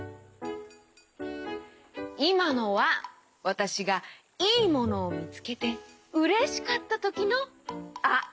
いまのはわたしがいいものみつけてうれしかったときの「あ」！